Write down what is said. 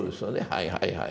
はいはいはい。